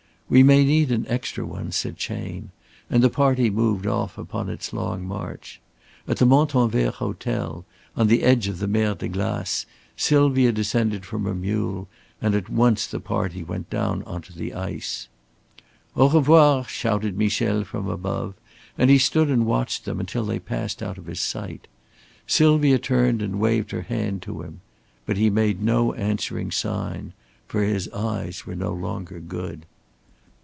"We may need an extra one," said Chayne, and the party moved off upon its long march. At the Montanvert hotel, on the edge of the Mer de Glace, Sylvia descended from her mule, and at once the party went down on to the ice. "Au revoir!" shouted Michel from above, and he stood and watched them, until they passed out of his sight. Sylvia turned and waved her hand to him. But he made no answering sign. For his eyes were no longer good.